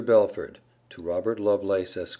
BELFORD, TO ROBERT LOVELACE, ESQ.